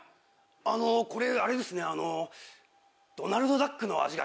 あのこれあれですね。